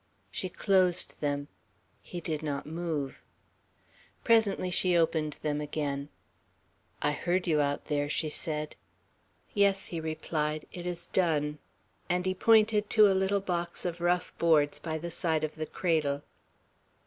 She closed them. He did not move. Presently she opened them again. "I heard you out there," she said. "Yes," he replied. "It is done." And he pointed to a little box of rough boards by the side of the cradle.